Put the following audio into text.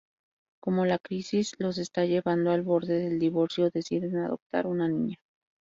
Como la crisis los está llevando al borde del divorcio, deciden adoptar una niña.